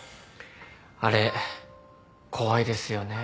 あれ怖いですよね。